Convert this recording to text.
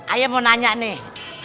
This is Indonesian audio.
ayah mau nanya nih